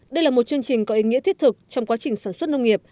đây là một chương trình có ý nghĩa thiết thực trong quá trình sản xuất nông nghiệp